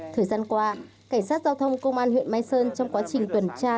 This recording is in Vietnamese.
thời gian qua cảnh sát giao thông công an huyện mai sơn trong quá trình tuần tra